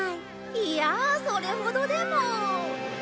いやあそれほどでも。